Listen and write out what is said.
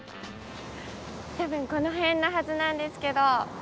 たぶんこのへんのはずなんですけど。